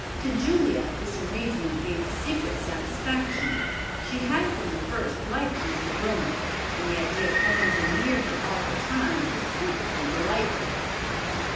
To Julia this arrangement gave secret satisfaction. She had from the first liked Mr. Wilmot, and the idea of having him near her all the time was perfectly delightful.